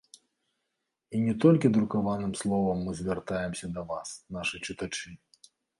І не толькі друкаваным словам мы звяртаемся да вас, нашы чытачы.